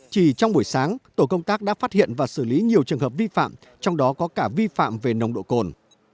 chỉ trong buổi sáng tổ công tác đã phát hiện và xử lý nhiều trường hợp vi phạm trong đó có cả vi phạm về nồng độ cồn